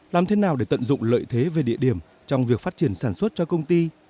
làm thế nào để tận dụng lợi thế về địa điểm trong việc phát triển sản xuất cho công ty